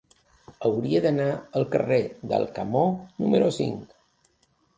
Hauria d'anar al carrer d'Alcamo número cinc.